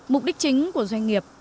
mục đích chính của doanh nghiệp